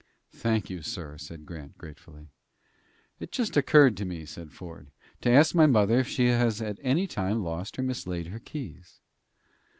"Thank you, sir," said Grant, gratefully. "It just occurred to me," said Ford, "to ask my mother if she has at any time lost or mislaid her keys."